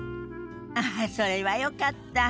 ああそれはよかった。